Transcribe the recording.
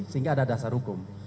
sehingga ada dasar hukum